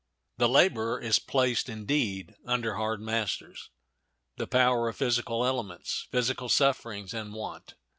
The laborer is placed, indeed, under hard masters—the power of physical elements, physical sufferings, and want.